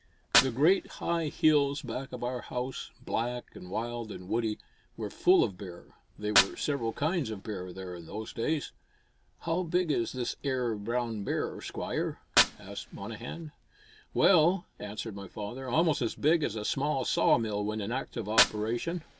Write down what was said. The great high hills back of our house, black and wild and woody, were full of bear. There were several kinds of bear there in those days. "How big is this ere brown bear, Squire?" asked Monnehan. "Well," answered my father, "almost as big as a small sawmill when in active operation."